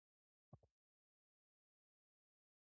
世間話ばかりしている隣人